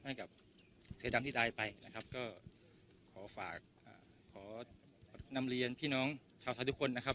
ให้กับเสือดำที่ตายไปนะครับก็ขอฝากขอนำเรียนพี่น้องชาวไทยทุกคนนะครับ